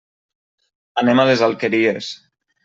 Anem a les Alqueries.